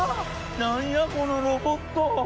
何やこのロボット。